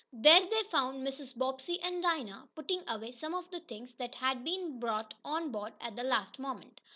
There they found Mrs. Bobbsey and Dinah putting away some of the things that had been brought on board at the last moment.